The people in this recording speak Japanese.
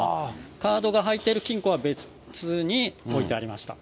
カードが入っている金庫は別に置いてありました。